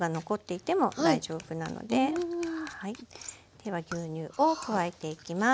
では牛乳を加えていきます。